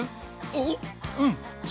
おっうん！